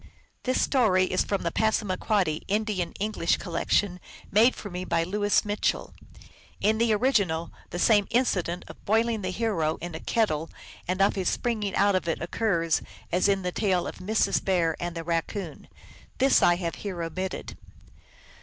This story is from the Passamaquoddy Indian Eng lish collection made for me by Louis Mitchell. In the original, the same incident of boiling the hero in a kettle and of his springing out of it occurs as in the tale of Mrs. Bear and the Raccoon. This I have here omitted.